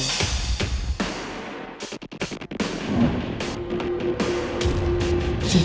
saya mau ke sana